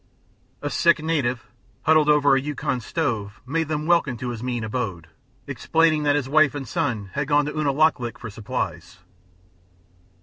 A sick native, huddled over a Yukon stove, made them welcome to his mean abode, explaining that his wife and son had gone to Unalaklik for supplies.